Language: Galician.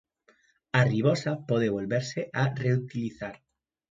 A ribosa pode volverse a reutilizar.